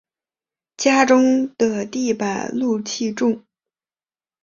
家中的地板露气重